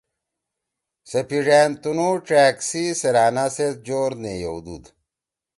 سے پیِڙأن تنُو ڇأگ سی سیرأنا سیت جور نے یِؤدُود۔